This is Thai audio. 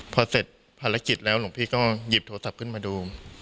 พอเสร็จภารกิจแล้วหลวงพี่ก็หยิบโทรศัพท์ขึ้นมาดู